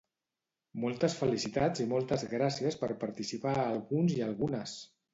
Moltes felicitats i moltes gràcies per participar a alguns i algunes!